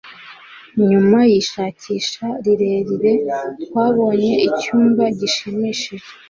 Nyuma yishakisha rirerire, twabonye icyumba gishimishije.